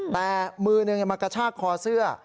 แต่มือหนึ่งมากระชากคอเสื้อ